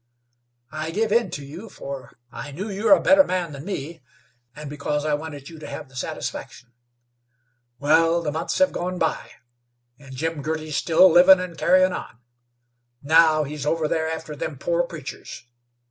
I give in to you, for I knew you're a better man than me, and because I wanted you to have the satisfaction. Wal, the months have gone by, and Jim Girty's still livin' and carryin' on. Now he's over there after them poor preachers.